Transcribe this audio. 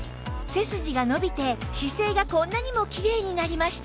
背筋が伸びて姿勢がこんなにもきれいになりました